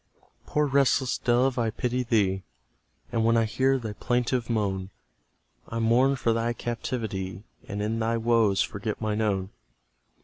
Poor restless dove, I pity thee; And when I hear thy plaintive moan, I mourn for thy captivity, And in thy woes forget mine own.